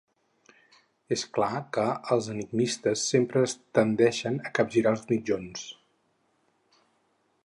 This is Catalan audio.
És clar que els enigmistes sempre tendeixen a capgirar els mitjons.